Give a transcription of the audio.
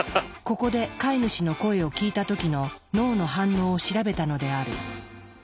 ここで飼い主の声を聞いた時の脳の反応を調べたのである。